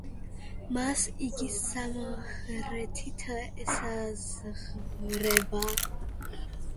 მას იგი სამხრეთით ესაზღვრება.